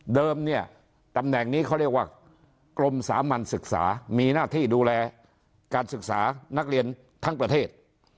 เนี่ยตำแหน่งนี้เขาเรียกว่ากรมสามัญศึกษามีหน้าที่ดูแลการศึกษานักเรียนทั้งประเทศ